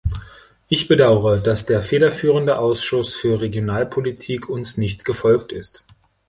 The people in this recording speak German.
Ich bedauere, dass der federführende Ausschuss für Regionalpolitik uns nicht gefolgt ist.